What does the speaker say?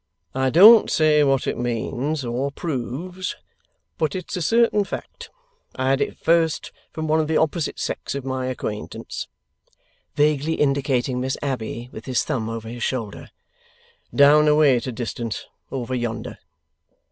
I don't say what it means or proves, but it's a certain fact. I had it first from one of the opposite sex of my acquaintance,' vaguely indicating Miss Abbey with his thumb over his shoulder, 'down away at a distance, over yonder.